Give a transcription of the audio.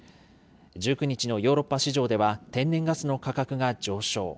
１９日のヨーロッパ市場では、天然ガスの価格が上昇。